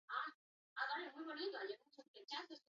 Ikus-entzunezko harribitxi asko izango dituzte lagun emanaldian.